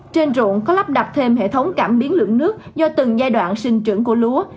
trên ruộng có lắp đặt thêm hệ thống cảm biến lượng nước do từng giai đoạn sinh trưởng của lúa